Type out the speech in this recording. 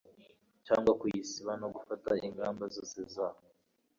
cyangwa kuyisiba no gufata ingamba zose za